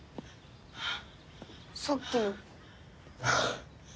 さっきの。